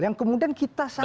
yang kemudian kita sangat